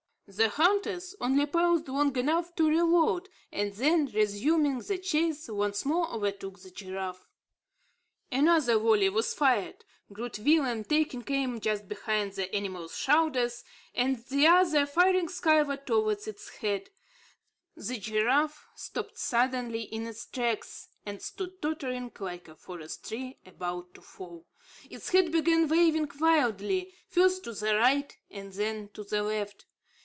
The hunters only paused long enough to reload, and then, resuming the chase, once more overtook the giraffe. Another volley was fired, Groot Willem taking aim just behind the animal's shoulder, the others firing skyward towards its head. The giraffe stopped suddenly in its tracks, and stood tottering like a forest tree about to fall. Its head began waving wildly, first to the right and then to the left.